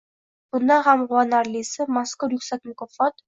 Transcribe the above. Bundan ham quvonarlisi, mazkur yuksak mukofot